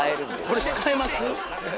これ使えます？